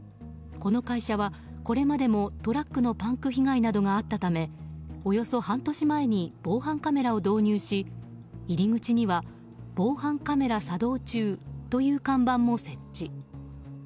この会社はこれまでもトラックのパンク被害などがあったためおよそ半年前に防犯カメラを導入し入り口には防犯カメラ作動中という看板も設置。